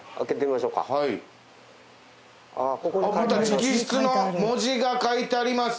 また直筆の文字が書いてあります。